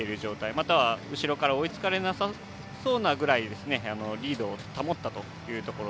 または後ろから追いつかれなさそうなくらいリードを保ったというところ。